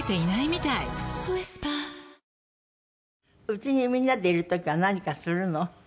うちにみんなでいる時は何かするの？